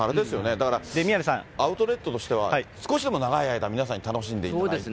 だから、アウトレットとしては少しでも長い間、皆さんに楽しんでいただいて。